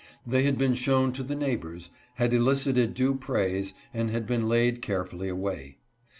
They had been shown to the neighbors, had elicited due praise, and had been laid care fully away.